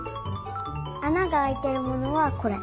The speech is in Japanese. あながあいてるものはこれ。